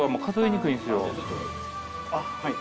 あっはい。